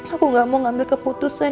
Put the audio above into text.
aku gak mau ngambil keputusan